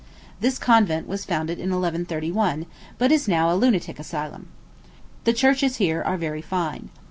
This convent was founded in 1131, but is now a lunatic asylum. The churches here are very fine.